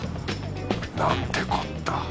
なんてこった